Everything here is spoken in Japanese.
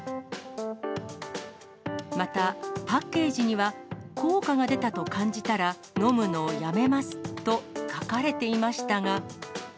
また、パッケージには効果が出たと感じたら飲むのをやめますと書かれていましたが。